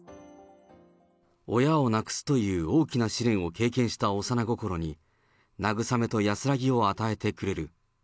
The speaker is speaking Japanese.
親を亡くすという大きな試練を経験した幼心に、なぐさめと安らぎを与えてくれる。